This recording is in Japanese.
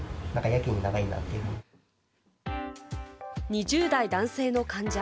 ２０代男性の患者。